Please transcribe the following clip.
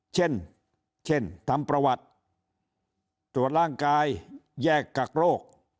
เช่นเช่นทำประวัติตรวจร่างกายแยกกักโรค